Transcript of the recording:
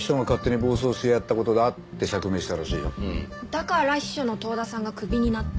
だから秘書の遠田さんがクビになった。